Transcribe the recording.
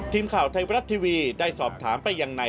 ทีมข่าวไทยวัลัททีวีได้สอบถามไปอย่างไหน